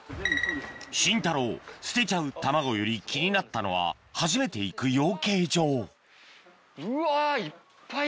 シンタロー捨てちゃう卵より気になったのは初めて行く養鶏場うわいっぱい！